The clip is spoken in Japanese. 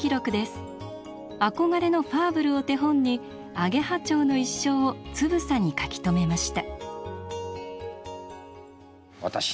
憧れのファーブルを手本にアゲハチョウの一生をつぶさに書き留めました。